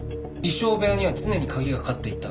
衣装部屋には常に鍵がかかっていた。